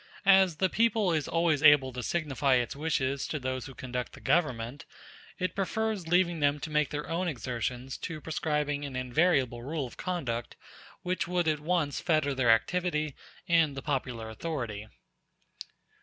As the people is always able to signify its wishes to those who conduct the Government, it prefers leaving them to make their own exertions to prescribing an invariable rule of conduct which would at once fetter their activity and the popular authority.